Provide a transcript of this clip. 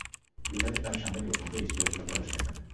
বিল্ডারদের তো আমি সামলে নিবো, কিন্তু এই স্কুলের লোকেরা বসে থাকবে না।